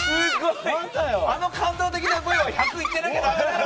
あの感動的なＶは１００行ってなきゃだめだよ！